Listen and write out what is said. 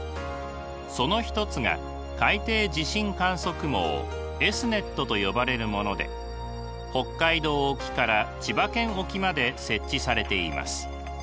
その一つが海底地震観測網Ｓ−ｎｅｔと呼ばれるもので北海道沖から千葉県沖まで設置されています。